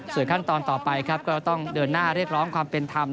ส่วนขั้นตอนต่อไปครับก็ต้องเดินหน้าเรียกร้องความเป็นธรรม